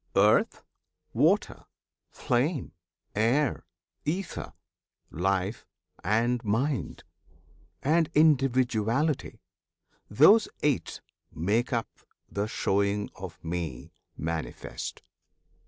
Earth, water, flame, air, ether, life, and mind, And individuality those eight Make up the showing of Me, Manifest.